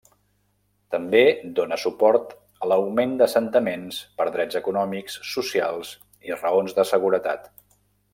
També dóna suport a l'augment d'assentaments per drets econòmics, socials i raons de seguretat.